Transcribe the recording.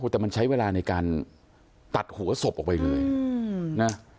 แต่มันใช้เวลาในการตัดหัวศพออกไปเลยนะ